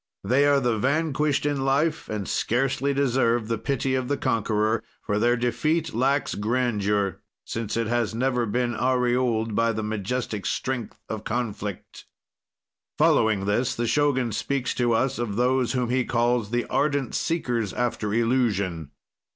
"They are the vanquished in life, and scarcely deserve the pity of the conqueror; for their defeat lacks grandeur, since it has never been aurioled by the majestic strength of conflict." Following this, the Shogun speaks to us of those whom he calls the ardent seekers after illusion.